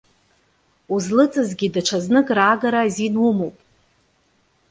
Узлыҵызгьы даҽазнык раагара азин умоуп.